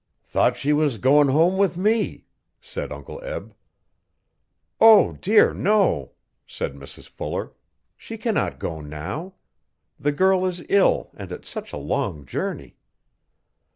'Thought she was goin' home with me,' said Uncle Eb. 'O dear no!' said Mrs Fuller, 'she cannot go now. The girl is ill and it's such a long journey.'